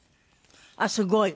あっすごい！